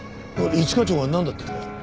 一課長がなんだっていうんだよ？